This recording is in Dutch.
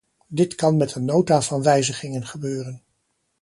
Dit kan met een nota van wijzigingen gebeuren.